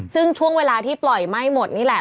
ซึ่งช่วงเวลาที่ปล่อยไหม้หมดนี่แหละ